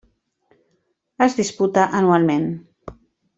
Es disputa anualment.